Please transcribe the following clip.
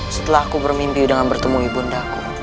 setelah aku bermimpi dengan bertemu ibu undaku